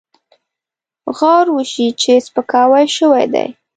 غور وشي چې سپکاوی شوی دی.